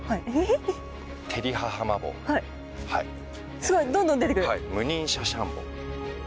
すごいどんどん出てくる。